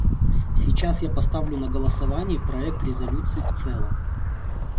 Сейчас я поставлю на голосование проект резолюции в целом.